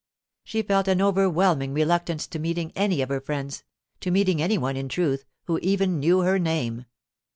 She felt an overwhelming reluctance to meeting any of her friends—to meeting any one, in truth, who even knew her name.